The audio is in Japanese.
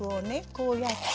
こうやって。